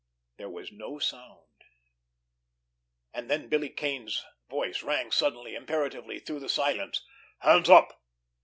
There was no sound. And then Billy Kane's voice rang suddenly, imperatively through the silence: "Hands up!"